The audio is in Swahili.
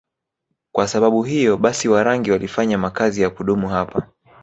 Kwa sababu hiyo basi Warangi walifanya makazi ya kudumu hapa